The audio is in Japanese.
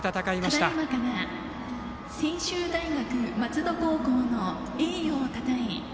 ただいまから専修大学松戸高校の栄誉をたたえ